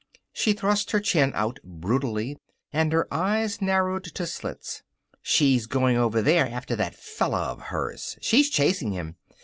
She thrust her chin out brutally, and her eyes narrowed to slits. "She's going over there after that fella of hers. She's chasing him.